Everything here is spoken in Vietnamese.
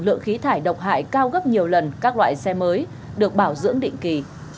lượng khí thải độc hại cao gấp nhiều lần các loại xe mới được bảo dưỡng định kỳ